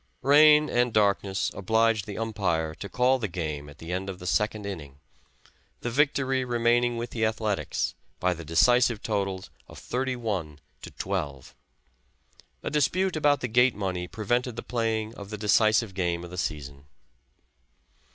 Rain and darkness obliged the umpire to call the game at the end of the second inning, the victory remaining with the Athletics, by the decisive totals of 31 to 12. A dispute about the gate money prevented the playing of the decisive game of the season.